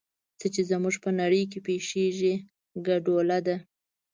څه چې زموږ په نړۍ کې پېښېږي ګډوله ده.